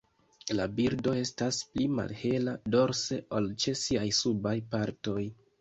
La birdo estas pli malhela dorse ol ĉe siaj subaj partoj.